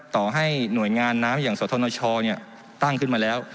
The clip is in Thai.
ต่อให้หน่วยงานน้ำอย่างสธนชตั้งขึ้นมาแล้ว